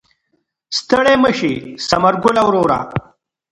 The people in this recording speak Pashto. ستړی مه شې ثمر ګله وروره.